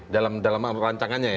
dalam rancangannya ya